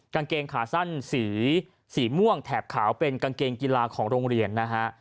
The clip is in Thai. กางเกงขาสั้นสีสีม่วงแถบขาวเป็นกางเกงกีฬาของโรงเรียนนะฮะ